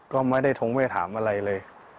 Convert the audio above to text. ก็ไม่ได้ทงเวทามอะไรเลย